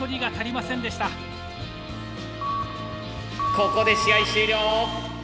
ここで試合終了。